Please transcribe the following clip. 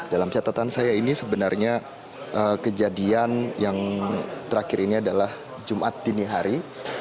dalam catatan saya ini sebenarnya kejadian yang terakhir ini adalah jumat dini hari